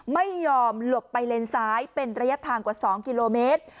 ไม่ยอมหลบไปเลนซ้ายเป็นระยะทางกว่า๒กิโลเมตร